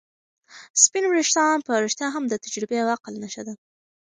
سپین ويښتان په رښتیا هم د تجربې او عقل نښه ده.